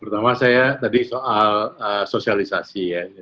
pertama saya tadi soal sosialisasi ya